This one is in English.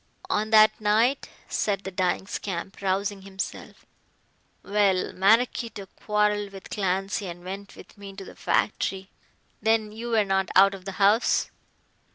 "On that night," said the dying scamp, rousing himself; "well, Maraquito quarrelled with Clancy, and went with me to the factory." "Then you were not out of the house?"